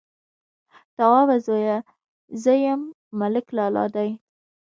_توابه زويه! زه يم، ملک لالا دې.